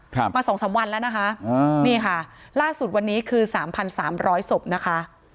ครับมาสองสามวันแล้วนะคะอ่านี่ค่ะล่าสุดวันนี้คือสามพันสามร้อยศพนะคะ